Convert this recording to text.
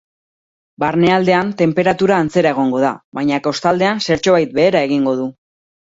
Barnealdean, tenperatura antzera egongo da, baina kostaldean zertxobait behera egingo du.